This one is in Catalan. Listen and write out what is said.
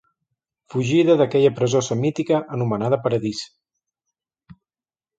Fugida d'aquella presó semítica anomenada paradís.